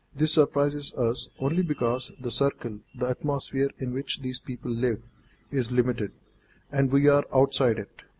This surprises us only because the circle, the atmosphere in which these people live, is limited, and we are outside it.